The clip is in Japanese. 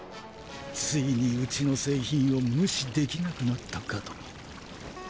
遂にウチの製品を無視できなくなったかと。